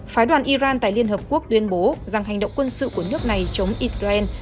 phái đoàn iran tại liên hợp quốc tuyên bố rằng hành động quân sự của nước này chống israel